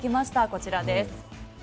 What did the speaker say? こちらです。